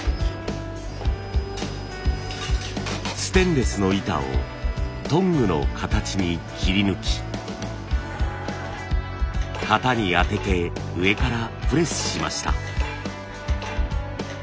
ステンレスの板をトングの形に切り抜き型に当てて上からプレスしました。